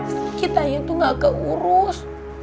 sekitanya tuh gak keurus